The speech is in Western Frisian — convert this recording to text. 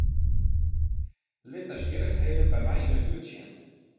Lit nijsgjirrichheden by my yn 'e buert sjen.